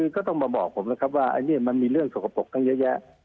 ก็ต้องมาบอกผมนะครับว่าอันนี้มันมีเรื่องสกปรกตั้งเยอะแยะ